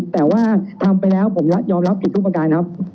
แต่ว่าทำไปแล้วผมยอมรับผิดทุกประการครับ